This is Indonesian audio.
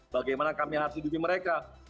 bagaimana kami harus hidupi mereka